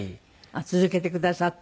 続けてくださって？